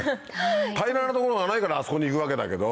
平らな所がないからあそこに行くわけだけど。